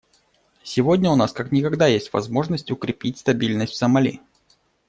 Сегодня у нас как никогда есть возможность укрепить стабильность в Сомали.